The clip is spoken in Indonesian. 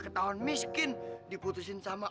ketahuan miskin diputusin sama